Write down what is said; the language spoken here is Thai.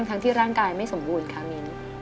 ทั้งที่ร่างกายไม่สมบูรณ์ค่ะมิ้น